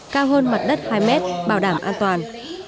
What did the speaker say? cao hơn mặt đất hai mét bảo đảm an toàn